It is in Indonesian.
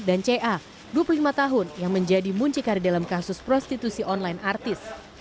ca dua puluh lima tahun yang menjadi muncikari dalam kasus prostitusi online artis